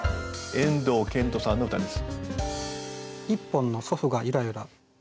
遠藤健人さんの歌です。